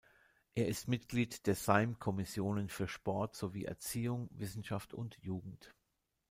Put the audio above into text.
Er ist Mitglied der Sejm-Kommissionen für Sport sowie Erziehung, Wissenschaften und Jugend.